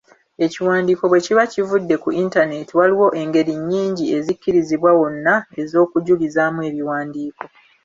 Ekiwandiiko bwe kiba kivudde ku Internet waliwo engeri nnyingi ezikkirizibwa wonna ez’okujulizaamu ebiwandiiko.